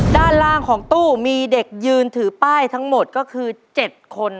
ด้านล่างของตู้มีเด็กยืนถือป้ายทั้งหมดก็คือ๗คน